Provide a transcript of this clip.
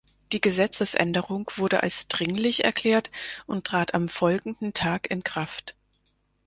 Die Gesetzesänderung wurde als dringlich erklärt und trat am folgenden Tag in Kraft.